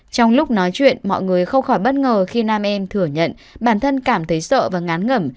trong lúc nói chuyện mọi người không khỏi bất ngờ khi nam em thừa nhận bản thân cảm thấy sợ và ngán ngẩm